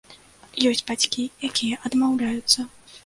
Ёсць бацькі, якія адмаўляюцца.